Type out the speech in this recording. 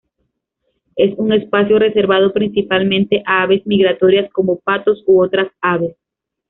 Es un espacio reservado principalmente a aves migratorias como patos u otras aves.